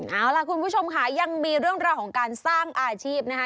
เอาล่ะคุณผู้ชมค่ะยังมีเรื่องราวของการสร้างอาชีพนะคะ